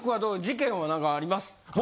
事件は何かありますか？